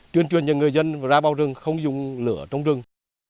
tuyên truyền cho người dân ra bao rừng không dùng lửa trong rừng